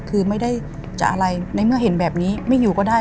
คือไม่ได้จะอะไรในเมื่อเห็นแบบนี้ไม่อยู่ก็ได้